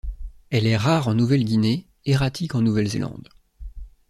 Elle est rare en Nouvelle-Guinée, erratique en Nouvelle-Zélande.